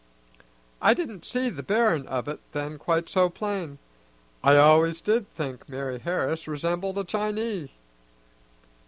"I didn't see the bearin' of it then quite so plain. I always did think Mari' Harris resembled a Chinee."